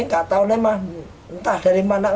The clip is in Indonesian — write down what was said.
nggak tahu memang entah dari mana